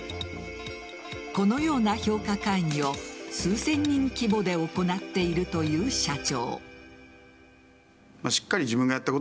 このような評価会議を数千人規模で行っているという社長。